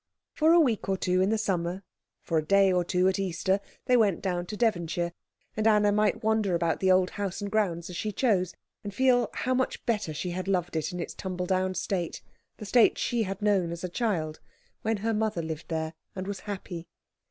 For a week or two in the summer, for a day or two at Easter, they went down to Devonshire; and Anna might wander about the old house and grounds as she chose, and feel how much better she had loved it in its tumble down state, the state she had known as a child, when her mother lived there and was happy.